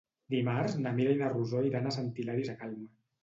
Dimarts na Mira i na Rosó iran a Sant Hilari Sacalm.